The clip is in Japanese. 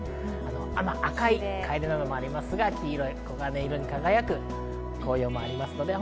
赤いカエデなどもありますが黄色い黄金色に輝く効用もあります。